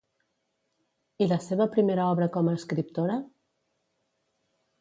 I la seva primera obra com a escriptora?